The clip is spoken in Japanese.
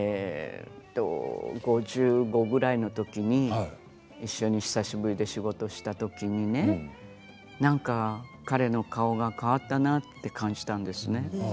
５５ぐらいのときに一緒に久しぶりに仕事をしたときにねなんか彼の顔が変わったなと感じたんですね。